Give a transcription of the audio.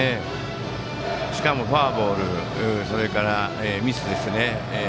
しかもフォアボールそれからミスですね。